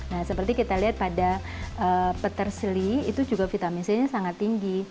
nah seperti kita lihat pada peterseli itu juga vitamin c nya sangat tinggi